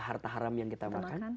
harta haram yang kita makan